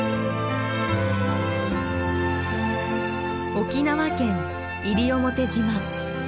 沖縄県西表島。